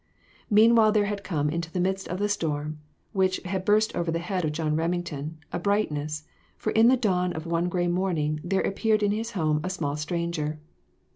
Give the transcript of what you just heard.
Meanwhile there had come into the midst of the storm which had burst over the head of John Remington, a brightness ; for in the dawn of one gray morning there appeared in his home a small stranger.